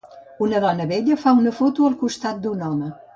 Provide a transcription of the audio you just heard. una dona vella fa una foto al costat d'un home